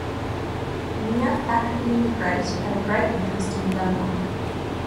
Emir Fakhreddine the Great had a great interest in Damour.